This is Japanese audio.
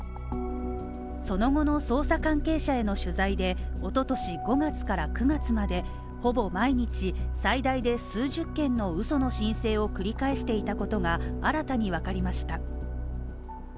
その後の捜査関係者への取材で、一昨年５月から９月までほぼ毎日最大で数十件の嘘の申請を繰り返していたことが新たにわかりました